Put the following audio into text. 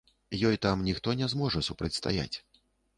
Ёй там ніхто не зможа супрацьстаяць.